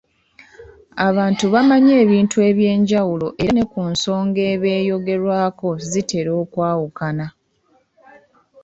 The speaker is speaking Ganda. Abantu bamanyi ebintu eby’enjawulo era ne ku nsonga eba eyogerwako zitera okwawukana.